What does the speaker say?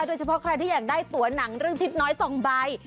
โดยเฉพาะใครที่อยากได้ตัวหนังเรื่องทิศน้อย๒ใบ